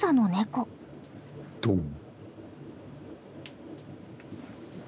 ドン！